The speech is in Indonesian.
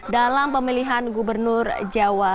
dan kita akan mencoba untuk mencoba